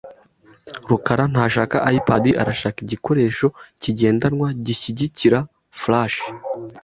rukara ntashaka iPad .Arashaka igikoresho kigendanwa gishyigikira Flash .